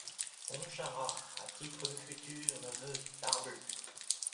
Pontcharrat.- À titre de futur neveu, parbleu !…